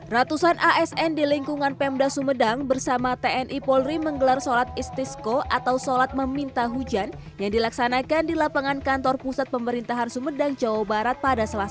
ratusan asn di lingkungan pemda sumedang bersama tni polri menggelar sholat istisko atau sholat meminta hujan yang dilaksanakan di lapangan kantor pusat pemerintahan sumedang jawa barat pada selasa